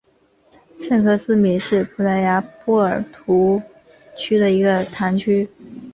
圣科斯米是葡萄牙波尔图区的一个堂区。